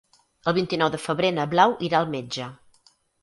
El vint-i-nou de febrer na Blau irà al metge.